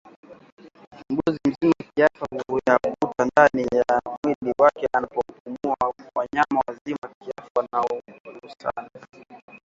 mbuzi mzima kiafya huyavuta ndani ya mwili wake anapopumua Wanyama wazima kiafya wanaogusana